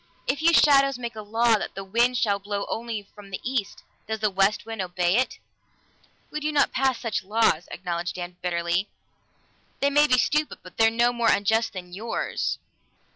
If you shadows make a law that the wind shall blow only from the east, does the west wind obey it?" "We do pass such laws," acknowledged Dan bitterly. "They may be stupid, but they're no more unjust than yours."